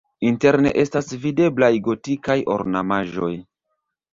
Interne estas videblaj gotikaj ornamaĵoj.